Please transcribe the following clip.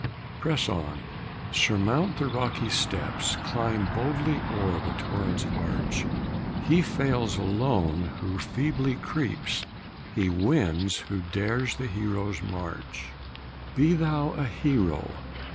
Press on! Surmount the rocky steps, Climb boldly o'er the torrent's arch; He fails alone who feebly creeps, He wins who dares the hero's march. Be thou a hero!